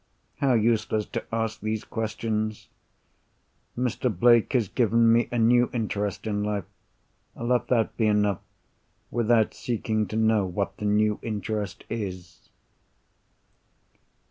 How useless to ask these questions! Mr. Blake has given me a new interest in life. Let that be enough, without seeking to know what the new interest is.